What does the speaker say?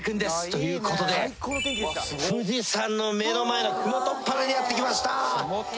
という事で富士山の目の前のふもとっぱらにやって来ました。